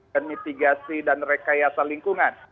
dan mitigasi dan rekayasa lingkungan